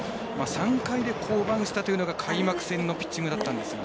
３回で降板したというのが開幕戦のピッチングでしたが。